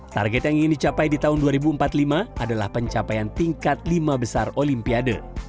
target yang ingin dicapai di tahun dua ribu empat puluh lima adalah pencapaian tingkat lima besar olimpiade